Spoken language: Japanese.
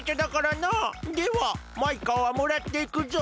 ではマイカはもらっていくぞ。